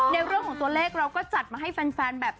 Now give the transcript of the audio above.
ในเรื่องของตัวเลขเราก็จัดมาให้แฟนแบบ